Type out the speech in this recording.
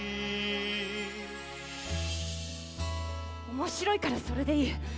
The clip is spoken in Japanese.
面白いからそれでいい。